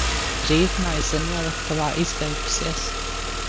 Rīvmaize noliktavā izbeigusies.